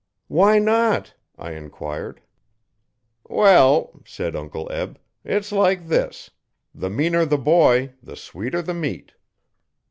'Why not?' I enquired. 'Well,' said Uncle Eb, 'it's like this: the meaner the boy, the sweeter the meat.'